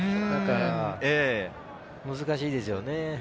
だから難しいですよね。